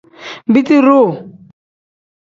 Biti duu.